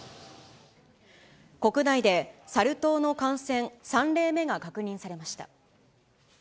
国内でサル痘の感染３例目が確認されました。